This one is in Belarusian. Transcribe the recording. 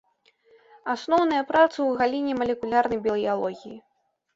Асноўныя працы ў галіне малекулярнай біялогіі.